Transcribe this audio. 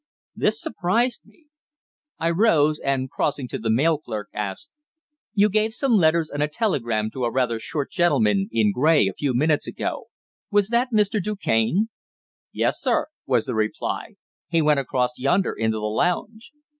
This surprised me. I rose, and, crossing to the mail clerk, asked "You gave some letters and a telegram to a rather short gentleman in grey a few minutes ago. Was that Mr. Du Cane?" "Yes, sir," was the reply. "He went across yonder into the lounge."